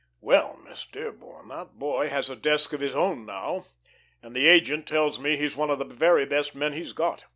Well, Miss Dearborn, that boy has a desk of his own now, and the agent tells me he's one of the very best men he's got.